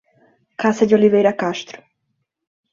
Cassia de Oliveira Castro